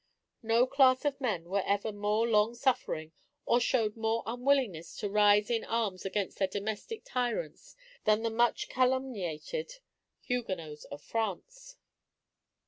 No class of men ever were more long suffering, or showed more unwillingness to rise in arms against their domestic tyrants, than the much calumniated Huguenots of France.